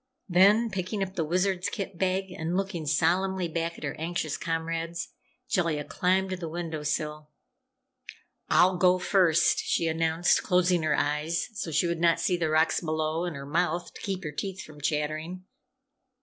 Then, picking up the Wizard's kit bag and looking solemnly back at her anxious comrades, Jellia climbed to the window sill. "I'll go first," she announced, closing her eyes so she would not see the rocks below, and her mouth, to keep her teeth from chattering.